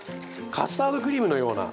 カスタードクリームのような。